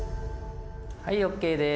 はいＯＫです。